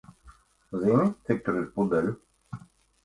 Zini, cik tur ir pudeļu?